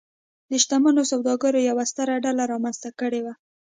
د شتمنو سوداګرو یوه ستره ډله رامنځته کړې وه.